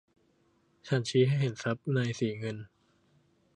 ฉันชี้ให้เห็นซับในสีเงิน